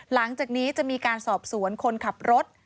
หลังจากนี้จะมีการสอบสวนคนขับรถ